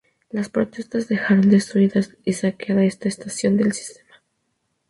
Las protestas dejaron destruida y saqueada esta estación del sistema.